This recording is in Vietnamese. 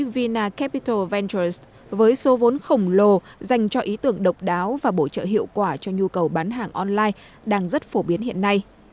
vinacapital ventures với số vốn khổng lồ dành cho ý tưởng độc đáo và bổ trợ hiệu quả cho nhu cầu bán hàng online đang rất phổ biến hiện nay